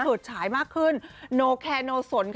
โสดฉายมากขึ้นโนแคร์โนสน